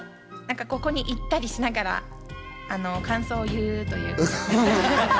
ここに行ったりしながら、感想を言うという。